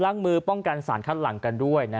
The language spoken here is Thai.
ล้างมือป้องกันสารคัดหลังกันด้วย